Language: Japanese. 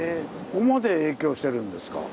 ここまで影響してるんですか。